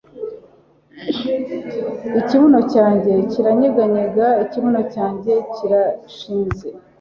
Ikibuno cyanjye kiranyeganyega ikibuno cyanjye kirashize